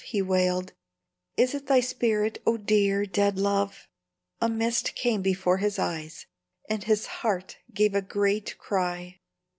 he wailed, "Is it thy spirit, O dear, dead love?" A mist came before his eyes, and his heart gave a great cry.